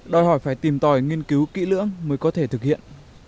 đòi hỏi phải tìm tòi nghiên cứu kỹ lưỡng mới có thể thực hiện